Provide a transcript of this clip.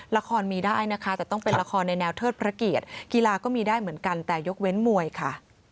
ละครมีได้นะคะแต่ต้องเป็นละครในแนวเทิดพระเกียรติกีฬาก็มีได้เหมือนกันแต่ยกเว้นมวยค่ะ